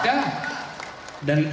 dan ini adalah